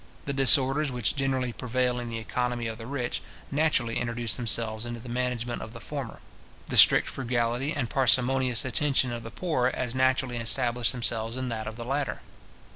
The disorders which generally prevail in the economy of the rich, naturally introduce themselves into the management of the former; the strict frugality and parsimonious attention of the poor as naturally establish themselves in that of the latter.